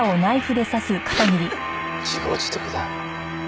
自業自得だ。